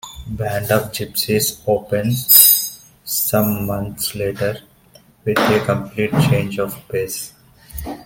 "Band of Gypsys" opens, some months later, with a complete change of pace.